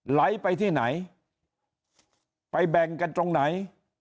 ไหลไปที่ไหนไปแบ่งกันตรงไหน